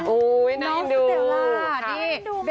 ลูกสาวฟิเชนแนลูกสาวเดลล่า